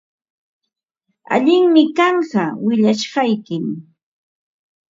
Allinmi kanqa willashqaykim.